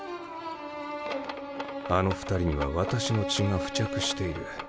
あの２人には私の血が付着している。